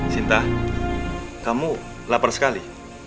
sinta kamu lapar sekali